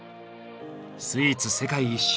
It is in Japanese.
スイーツ世界一周。